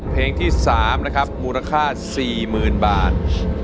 เพลงที่๓นะครับมูลค่า๔๐๐๐บาท